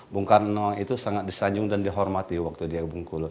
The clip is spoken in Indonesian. bung karno itu sangat disayung dan dihormati waktu dia ke bung kulu